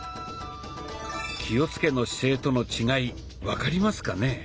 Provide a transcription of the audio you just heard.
「気をつけの姿勢」との違い分かりますかね？